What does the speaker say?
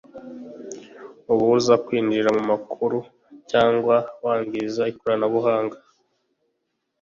ubuza kwinjira mu makuru cyangwa wangiza ikoranabuhanga